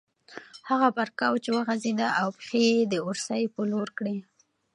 هغه پر کوچ وغځېده او پښې یې د اورسۍ په لور کړې.